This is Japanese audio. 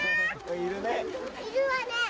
いるわね！